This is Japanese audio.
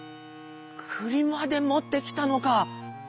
「くりまでもってきたのか。